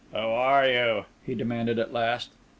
"Who are you?" he demanded at last.